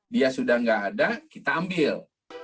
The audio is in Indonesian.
dia sudah tidak ada kita ambil